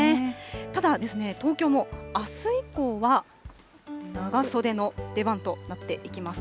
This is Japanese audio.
ただ、東京もあす以降は長袖の出番となっていきます。